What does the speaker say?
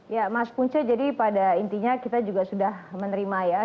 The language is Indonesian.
ya mas punca jadi pada intinya kita juga sudah menerima ya